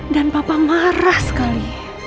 dan papa marah sekali